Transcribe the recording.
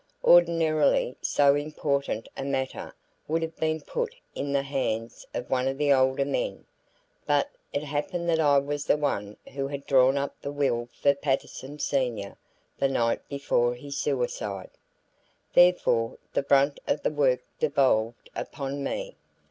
Ordinarily, so important a matter would have been put in the hands of one of the older men, but it happened that I was the one who had drawn up the will for Patterson Senior the night before his suicide, therefore the brunt of the work devolved upon me.